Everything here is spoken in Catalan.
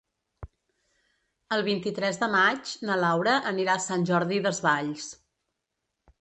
El vint-i-tres de maig na Laura anirà a Sant Jordi Desvalls.